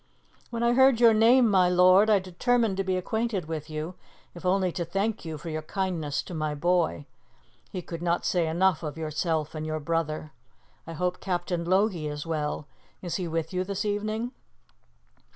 "When I heard your name, my lord, I determined to be acquainted with you, if only to thank you for your kindness to my boy. He could not say enough of yourself and your brother. I hope Captain Logie is well. Is he with you this evening?"